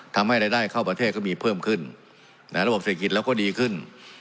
ทำให้รายได้เข้าประเทศก็มีเพิ่มขึ้นระบบเศรษฐกิจเราก็ดีขึ้น